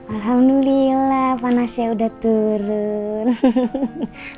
alhamdulillah panasnya udah turun